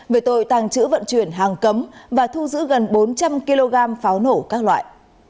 về tội tàng trữ vận chuyển hàng cấm và thu giữ gần bốn trăm linh kg pháo nổ các loại